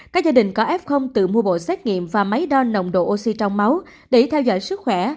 các gia đình có f tự mua bộ xét nghiệm và máy đo nồng độ oxy trong máu để theo dõi sức khỏe